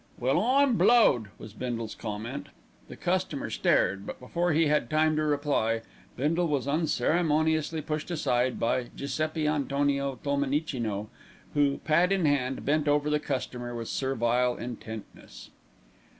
"Well, I'm blowed!" was Bindle's comment. The customer stared, but before he had time to reply Bindle was unceremoniously pushed aside by Giuseppi Antonio Tolmenicino, who, pad in hand, bent over the customer with servile intentness.